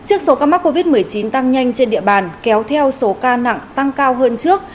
trước số ca mắc covid một mươi chín tăng nhanh trên địa bàn kéo theo số ca nặng tăng cao hơn trước